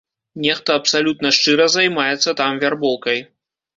Нехта абсалютна шчыра займаецца там вярбоўкай.